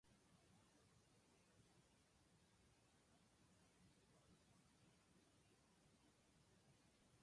おはようございます。今朝はいいお天気ですね。